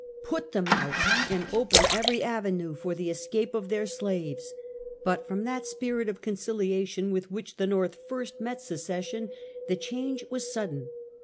Put them out ! and open every avenue for the escape of their slaves. But from that spirit of conciliation with which the l^STorth first met secession, the change was sudden.